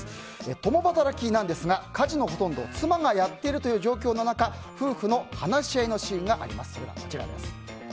共働きなんですが家事のほとんどを妻がやっているという状況の中夫婦の話し合いのシーンがあります。